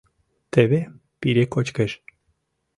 Теве пире кочкеш...